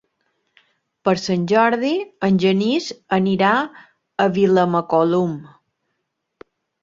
Per Sant Jordi en Genís anirà a Vilamacolum.